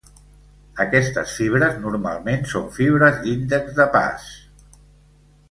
Aquestes fibres normalment són fibres d'índex de pas.